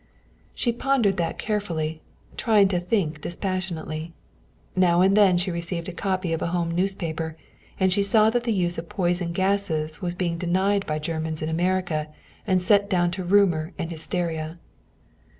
She pondered that carefully, trying to think dispassionately. Now and then she received a copy of a home newspaper, and she saw that the use of poison gases was being denied by Germans in America and set down to rumor and hysteria.